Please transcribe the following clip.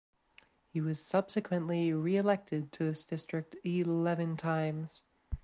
He was subsequently reelected to this district eleven times.